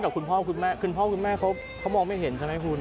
คุณพ่อกับคุณแม่เขามองไม่เห็นใช่ไหมคุณ